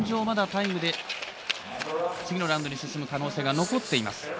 まだタイムで次のラウンドに進む可能性が残っています。